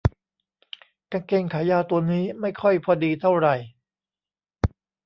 กางเกงขายาวตัวนี้ไม่ค่อยพอดีเท่าไหร่